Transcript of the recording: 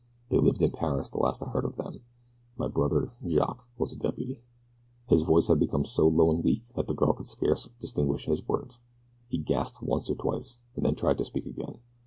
They lived in Paris the last I heard of them my brother, Jacques, was a deputy." His voice had become so low and weak that the girl could scarce distinguish his words. He gasped once or twice, and then tried to speak again.